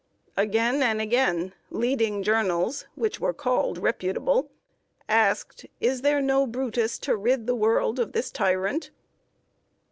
Again and again, leading journals, which were called reputable, asked: "Is there no Brutus to rid the world of this tyrant?"